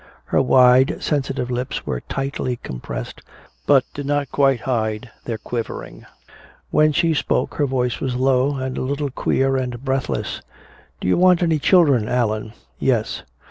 Her wide, sensitive lips were tightly compressed, but did not quite hide their quivering. When she spoke her voice was low and a little queer and breathless: "Do you want any children, Allan?" "Yes."